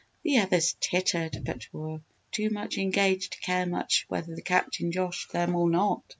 The others tittered but were too much engaged to care much whether the Captain joshed them or not.